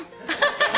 ハハハ！